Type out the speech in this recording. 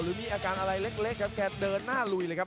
มีอาการอะไรเล็กครับแกเดินหน้าลุยเลยครับ